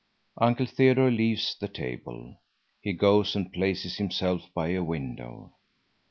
Uncle Theodore leaves the table. He goes and places himself by a window.